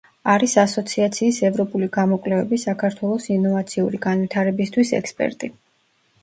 არის ასოციაციის „ევროპული გამოკვლევები საქართველოს ინოვაციური განვითარებისთვის“ ექსპერტი.